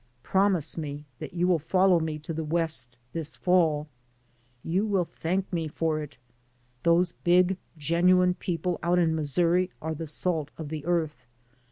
Promise me that you will follow me to the West this fall. You will thank me for it. Those big, genuine people out in Missouri are the salt of the earth.